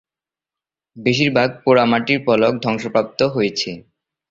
বেশিরভাগ পোড়ামাটির ফলক ধ্বংসপ্রাপ্ত হয়েছে।